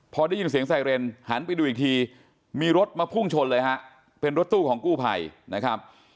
พอได้ยินเสียงไซเรนหันไปดูอีกทีมีรถมาพุ่งชนเลยฮะเป็นรถตู้ของกู้ภัยนะครับ